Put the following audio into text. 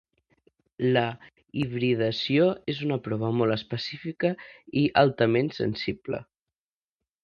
La hibridació és una prova molt específica i altament sensible.